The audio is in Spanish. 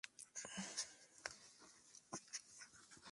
La repercusión artística de Arlequín se ha extendido a otros diversos campos.